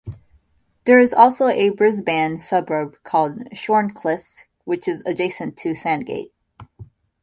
There is also a Brisbane suburb called Shorncliffe, which is adjacent to Sandgate.